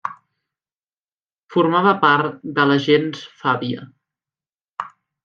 Formava part de la gens Fàbia.